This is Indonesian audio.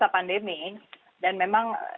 pandemi dan memang